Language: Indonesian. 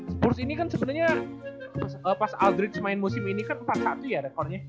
spurs ini kan sebenarnya pas aldridge main musim ini kan empat satu ya rekornya